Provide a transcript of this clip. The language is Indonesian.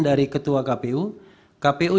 dari ketua kpu kpu